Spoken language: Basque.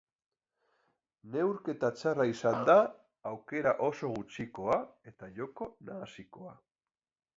Neurketa txarra izan da, aukera oso gutxikoa, eta joko nahasikoa.